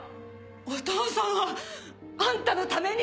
お父さんはあんたのために。